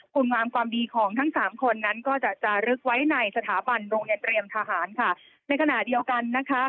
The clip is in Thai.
คุณงามความดีของทั้งสามคนนั้นก็จะจะลึกไว้ในสถาบันโรงเรียนเตรียมทหารค่ะในขณะเดียวกันนะคะ